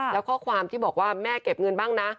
แล้วข้อความที่บอกว่าแม่เก็บเงินบ้างนะ